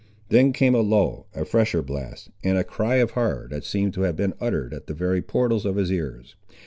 Then came a lull, a fresher blast, and a cry of horror that seemed to have been uttered at the very portals of his ears.